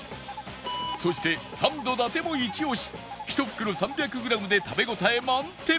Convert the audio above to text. そしてサンド伊達もイチオシひと袋３００グラムで食べ応え満点！